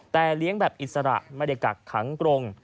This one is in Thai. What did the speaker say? แต่เลี้ยงแบบอิสระมารกัดถั้งกรง